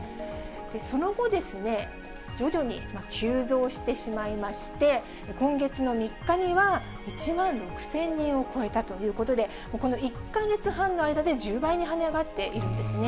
その後、徐々に急増してしまいまして、今月の３日には、１万６０００人を超えたということで、この１か月半の間で１０倍にはね上がっているんですね。